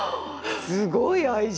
すごい愛情。